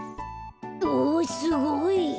おすごい！